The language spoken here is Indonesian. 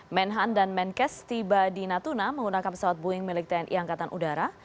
menhan dan menkes tiba di natuna menggunakan pesawat boeing milik tni angkatan udara